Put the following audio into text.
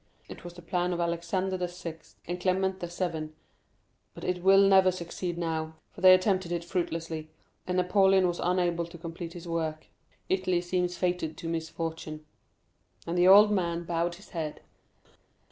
It was the plan of Alexander VI. and Clement VII., but it will never succeed now, for they attempted it fruitlessly, and Napoleon was unable to complete his work. Italy seems fated to misfortune." And the old man bowed his head.